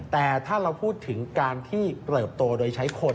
แต่ถ้าเราพูดถึงการที่เติบโตโดยใช้คน